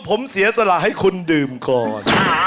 ผมเสียสละให้คุณดื่มก่อน